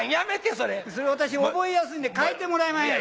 それ私覚えやすいんで変えてもらえまへん？